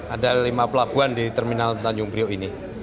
ada lima pelabuhan di terminal tanjung priok ini